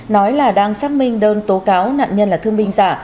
nói là đang xác minh đơn tố cáo nạn nhân là thương binh giả